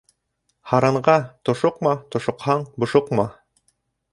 Һаранға тошоҡма, тошоҡһаң, бошоҡма.